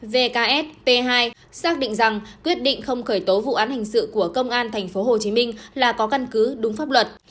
vks p hai xác định rằng quyết định không khởi tố vụ án hình sự của công an tp hcm là có căn cứ đúng pháp luật